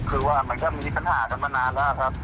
คือว่ามันก็มีปัญหากันมานานแล้วครับ